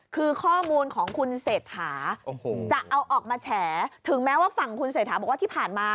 คือข้อมูลของคุณเศรษฐาจะเอาออกมาแฉถึงแม้ว่าฝั่งคุณเศรษฐาบอกว่าที่ผ่านมา